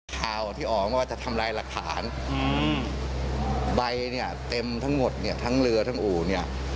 ข่าวที่ออกมาว่าจะทำลายหลักฐานอืมใบเนี่ยเต็มทั้งหมดเนี่ยทั้งเรือทั้งอู่เนี่ย